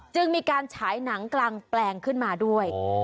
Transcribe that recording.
จึงมีการฉายหนังกลางแปลงขึ้นมาด้วย